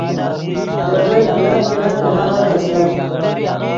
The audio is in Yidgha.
دے گلت بلند بلند ڤینغیرے استت